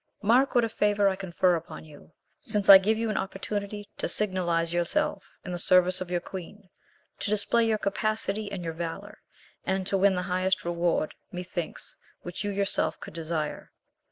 Mark what a favour I confer upon you, since I give you an opportunity to signalise yourself in the service of your queen, to display your capacity and your valour, and to win the highest reward, methinks, which you yourself could desire.